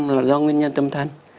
là do nguyên nhân tâm thần